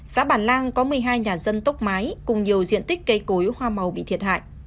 xã bản lang có một mươi hai nhà dân tốc mái cùng nhiều diện tích cây cối hoa màu bị thiệt hại